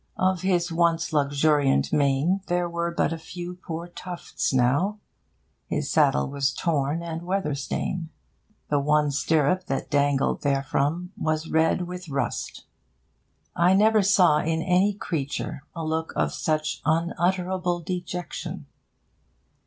Of his once luxuriant mane there were but a few poor tufts now. His saddle was torn and weather stained. The one stirrup that dangled therefrom was red with rust. I never saw in any creature a look of such unutterable dejection.